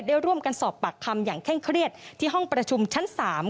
ได้ร่วมกันสอบปากคำอย่างเคร่งเครียดที่ห้องประชุมชั้น๓